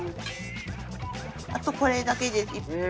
あとこれだけです。